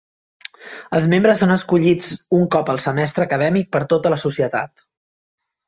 Els membres són escollits un cop al semestre acadèmic per tota la societat.